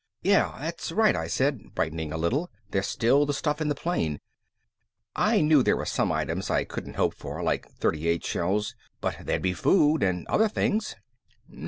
"Yeah, that's right," I said, brightening a little. "There's still the stuff in the plane." I knew there were some items I couldn't hope for, like .38 shells, but there'd be food and other things.